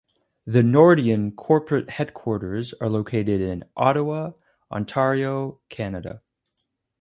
The Nordion corporate headquarters are located in Ottawa, Ontario, Canada.